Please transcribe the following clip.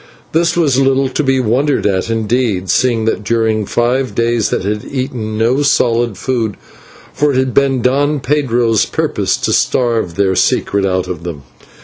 This was little to be wondered at, indeed, seeing that during five days they had eaten no solid food, for it had been Don Pedro's purpose to starve their secret out of them.